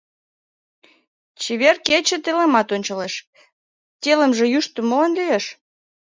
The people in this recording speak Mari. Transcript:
Чевер кече телымат ончалеш, Телымже йӱштӧ молан лиеш?